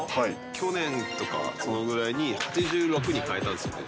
去年とか、そのぐらいに８６に変えたんですよね。